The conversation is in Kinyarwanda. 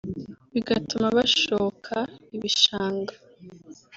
bigatuma bashoka ibishanga